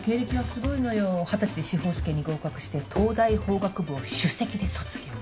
二十歳で司法試験に合格して東大法学部を首席で卒業。